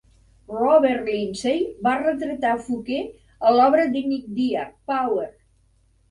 Robert Lindsay va retratar Fouquet a l'obra de Nick Dear "Power".